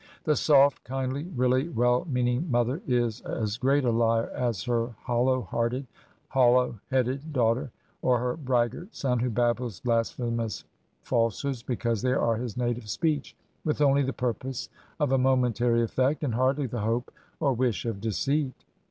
The soft, kindly, really well meaning mother, is as great a liar as her hollow hearted, hollow headed daughter, or her braggart son who babbles blasphemous falsehoods because they are his native speech, with only the purpose of a momentary effect, and hardly the hope or wish of deceit.